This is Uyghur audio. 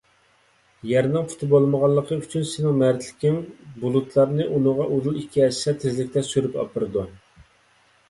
يەرنىڭ پۇتى بولمىغانلىقى ئۈچۈن سېنىڭ مەردلىكىڭ بۇلۇتلارنى ئۇنىڭغا ئۇدۇل ئىككى ھەسسە تېزلىكتە سۈرۈپ ئاپىرىدۇ.